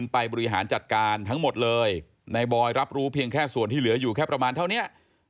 ไปบริหารจัดการทั้งหมดเลยในบอยรับรู้เพียงแค่ส่วนที่เหลืออยู่แค่ประมาณเท่านี้